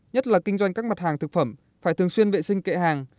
nhất là kinh doanh các mặt hàng thực phẩm phải thường xuyên vệ sinh kệ hàng